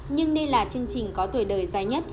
nhưng đây là chương trình có tuổi đời dài nhất